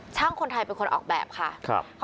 ๘ช่องกลาง